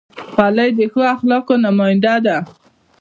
خولۍ د ښو اخلاقو نماینده ده.